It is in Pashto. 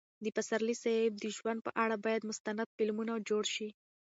د پسرلي صاحب د ژوند په اړه باید مستند فلمونه جوړ شي.